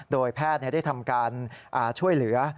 โดยแพทย์ได้ทำการช่วยเหลือ